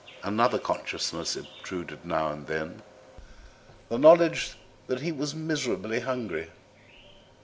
Another consciousness obtruded itself now and then the knowledge that he was miserably hungry.